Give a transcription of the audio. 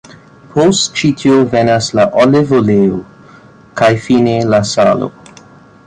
Post ĉi tio venas la olivoleo, kaj fine la salo.